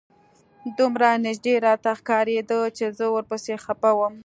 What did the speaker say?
دومره نژدې راته ښکارېده چې زه ورپسې خپه وم.